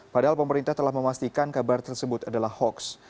padahal pemerintah telah memastikan kabar tersebut adalah hoax